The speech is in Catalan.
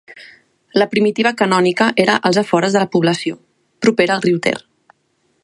La primitiva canònica era als afores de la població, propera al riu Ter.